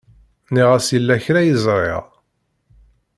Nniɣ-as yella kra i ẓriɣ.